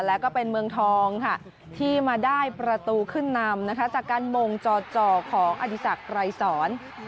และก็เป็นเมืองทองที่มาได้ประตูขึ้นนำจากการมงจอของอดีศากรายสอน